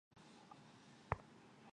关卡中配置的物品载体。